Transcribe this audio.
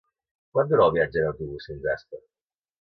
Quant dura el viatge en autobús fins a Aspa?